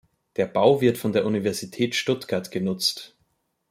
Der Bau wird von der Universität Stuttgart genutzt.